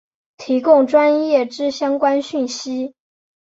提供专业之相关讯息